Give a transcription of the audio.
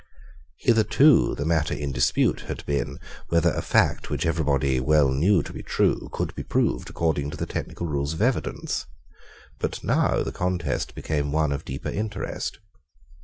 Hitherto the matter in dispute had been whether a fact which everybody well knew to be true could be proved according to technical rules of evidence; but now the contest became one of deeper interest.